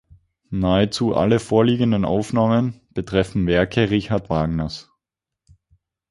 Nahezu alle vorliegenden Aufnahmen betreffen Werke Richard Wagners.